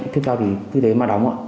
tiếp theo thì cứ thế mà đóng ạ